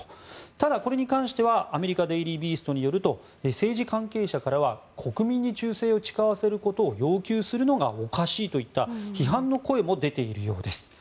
ただ、これに関してはアメリカデイリー・ビーストによると政治関係者からは国民に忠誠を誓わせることを要求するのがおかしいといった批判の声も出ているようです。